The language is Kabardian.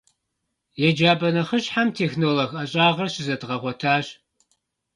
Еджапӏэ нэхъыщхьэм «технолог» ӏэщӏагъэр щызэдгъэгъуэтащ.